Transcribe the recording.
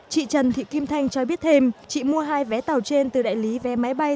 chị trần thị kim thanh cho biết thêm chị mua hai vé tàu trên từ đại lý vé máy bay